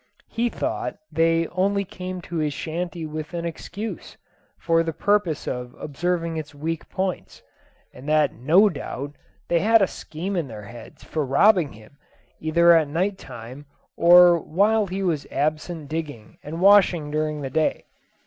He thought they only came to his shanty with an excuse, for the purpose of observing its weak points, and that no doubt they had a scheme in their heads for robbing him, either at night time, or while he was absent digging and washing during the day.